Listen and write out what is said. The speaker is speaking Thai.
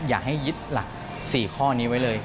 อย่าให้ยึดหลัก๔ข้อนี้ไว้เลย